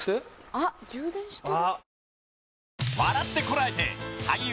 あっ充電してる。